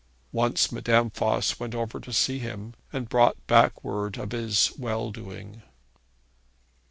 Once Madame Voss went over to see him, and brought back word of his well doing.